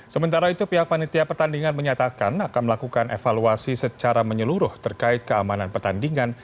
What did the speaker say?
sementara itu pihak panitia pertandingan menyatakan akan melakukan evaluasi secara menyeluruh terkait keamanan pertandingan